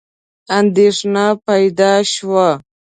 اندېښنه پیدا شوه.